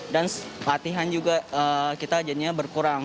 dan latihan juga kita jadinya berkurang